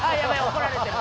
怒られてる。